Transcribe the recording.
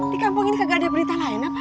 di kampung ini kagak ada berita lain